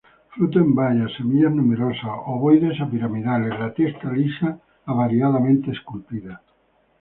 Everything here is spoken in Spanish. Fruto en baya; semillas numerosas, ovoides a piramidales, la testa lisa a variadamente esculpida.